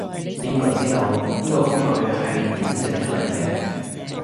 邊個知道，呢個工具係點整出嚟嘅